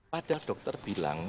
padahal dokter bilang